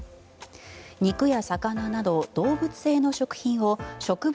肉や魚など動物性の食品を植物